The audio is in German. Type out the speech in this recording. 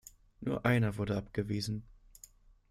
Nur einer wurde abgewiesen.